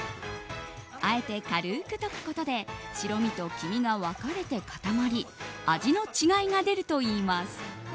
あえて軽く溶くことで白身と黄身が分かれて固まり味の違いが出るといいます。